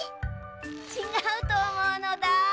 ちがうとおもうのだ。